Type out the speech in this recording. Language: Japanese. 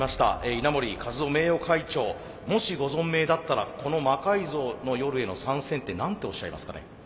稲盛和夫名誉会長もしご存命だったらこの「魔改造の夜」への参戦って何ておっしゃいますかね。